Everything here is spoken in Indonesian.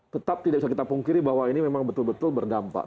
tetap tidak bisa kita pungkiri bahwa ini memang betul betul berdampak